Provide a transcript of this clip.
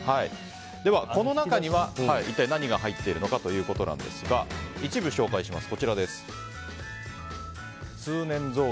では、この中には一体何が入っているかということですが一部紹介します。